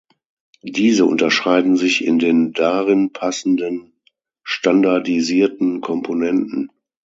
Diese unterscheiden sich in den darin passenden standardisierten Komponenten.